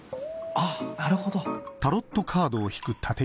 あっなるほど。